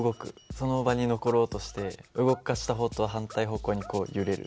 その場に残ろうとして動かした方とは反対方向にこう揺れる。